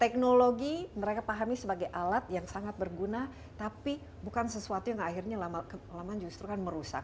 teknologi mereka pahami sebagai alat yang sangat berguna tapi bukan sesuatu yang akhirnya lama justru kan merusak